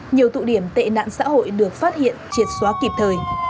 nhiều tụ điểm tệ nạn xã hội được phát hiện triệt xóa kịp thời